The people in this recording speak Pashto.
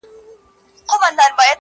په دې پوهېږمه چي ورځ په ورځ کميږي ژوند~